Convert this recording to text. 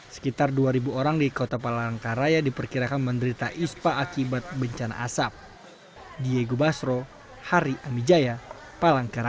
sekitar dua orang di kota palangkaraya diperkirakan menderita ispa akibat bencana asap